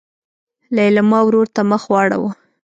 لېلما ورور ته مخ واړوه.